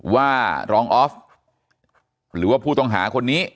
ว่ารองออฟหรือว่าผู้ต้องหาคนนี้